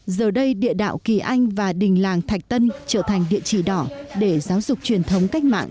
giờ đây địa đạo kỳ anh và đình làng thạch tân trở thành địa chỉ đỏ để giáo dục truyền thống cách mạng